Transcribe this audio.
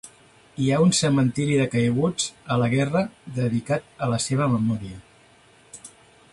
Hi ha un cementiri de caiguts a la guerra dedicat a la seva memòria.